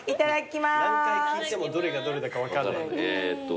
何回聞いてもどれがどれだか分かんない。